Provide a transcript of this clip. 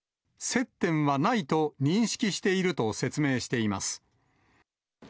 接点はないと認識していると説明しています。